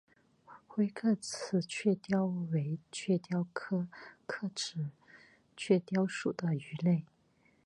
灰刻齿雀鲷为雀鲷科刻齿雀鲷属的鱼类。